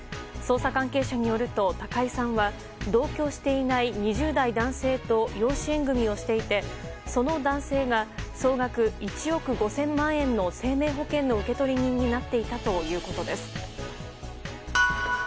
捜査関係者によると高井さんは同居していない２０代男性と養子縁組をしていてその男性が総額１億５０００万円の生命保険の受取人になっていたということです。